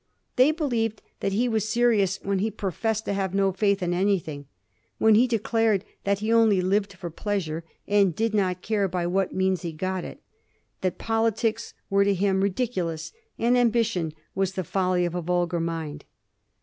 They believed that he was serious when he professed to have no faith in anything; when he declared that he only lived for pleas ure, and did not care by what means he got it; that poli tics were to him ridiculous, and ambition was the folly of a vulgar mind.